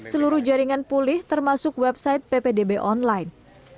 seluruh jaringan pulih termasuk website ppdb online